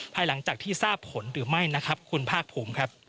ภายหลังจากที่ทราบผลหรือไม่นะครับคุณภาคภูมิครับ